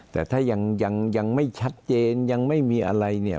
แต่ถ้ายังยังไม่ชัดเจนยังไม่มีอะไรเนี่ย